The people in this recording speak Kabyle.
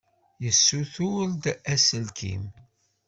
Yessuter-d aselkim.